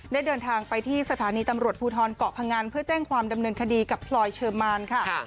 เดินทางไปที่สถานีตำรวจภูทรเกาะพงันเพื่อแจ้งความดำเนินคดีกับพลอยเชอร์มานค่ะ